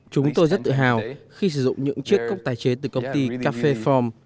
chúng tôi rất tự hào khi sử dụng những chiếc cốc tái chế từ công ty caféform